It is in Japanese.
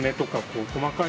お細かい。